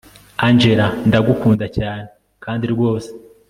angella ndagunda cyane kandi rwose